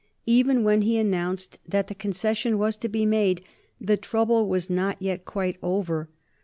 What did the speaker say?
Even when he announced that the concession was to be made the trouble was not yet quite over.